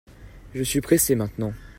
Je suis pressé maintenant.